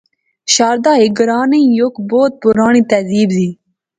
شاردا ہیک گراں نئیں یک بہوں پرانی تہذیب دی